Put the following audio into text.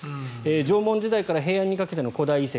縄文時代から平安にかけての古代遺跡